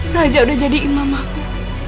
raja udah jadi imam aku